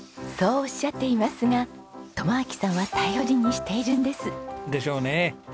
そうおっしゃっていますが友晃さんは頼りにしているんです。でしょうね。